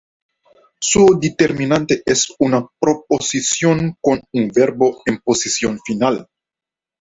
Su determinante es una proposición con un verbo en posición final.